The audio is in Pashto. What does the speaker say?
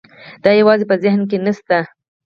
دا یوازې په ذهن کې نه شته.